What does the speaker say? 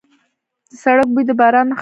د سړک بوی د باران نښه وه.